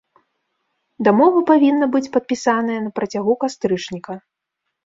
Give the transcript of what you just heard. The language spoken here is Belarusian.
Дамова павінна быць падпісаная на працягу кастрычніка.